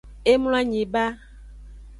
E mloanyi ba.